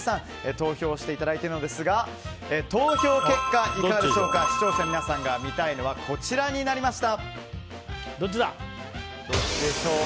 投票していただいているのですが投票結果視聴者の皆さんが見たいのはこちらになりました。